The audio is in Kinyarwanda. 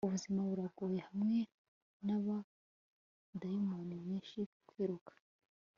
ubuzima buragoye, hamwe nabadayimoni benshi kwiruka